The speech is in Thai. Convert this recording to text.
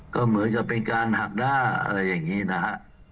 ก็เหมือนกับเป็นการหักหน้าอะไรอย่างนี้นะฮะ